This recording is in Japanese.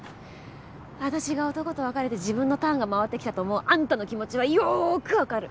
私が男と別れて自分のターンが回ってきたと思うあんたの気持ちはよーくわかる。